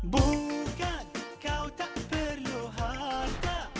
bukan kau tak perlu harta